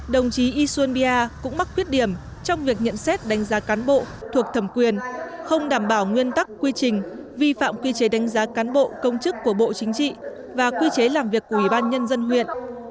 đồng chí isun bia cũng mắc khuyết điểm trong việc nhận xét đánh giá cán bộ thuộc thẩm quyền không đảm bảo nguyên tắc quy trình vi phạm quy chế đánh giá cán bộ công chức của bộ chính trị và quy chế làm việc của ủy ban nhân dân huyện